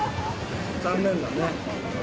残念だね。